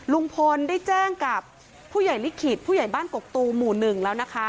ลุงพลได้แจ้งกับผู้ใหญ่ลิขิตผู้ใหญ่บ้านกกตูหมู่๑แล้วนะคะ